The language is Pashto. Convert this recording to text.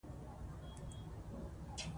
ایا پایله مثبته ده؟